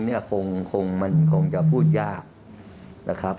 นี่คงมันจะพูดยาวนะครับ